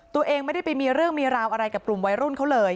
ตัวเองไม่ได้ไปมีเรื่องมีราวอะไรกับกลุ่มวัยรุ่นเขาเลย